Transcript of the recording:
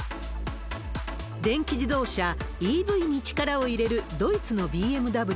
電気自動車・ＥＶに力を入れるドイツのＢＭＷ。